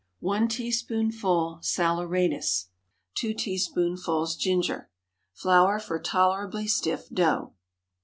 1 teaspoonful saleratus. 2 teaspoonfuls ginger. Flour for tolerably stiff dough.